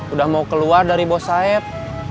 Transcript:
udah mau keluar dari bos saib